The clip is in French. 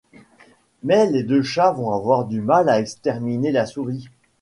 Mais les deux chats vont avoir du mal à exterminer la souris.